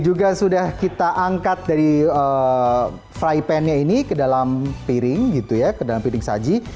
juga sudah kita angkat dari fry pan nya ini ke dalam piring gitu ya ke dalam piring saji